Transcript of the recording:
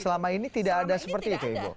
selama ini tidak ada seperti itu ibu